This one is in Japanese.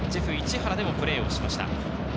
市原でもプレーしました。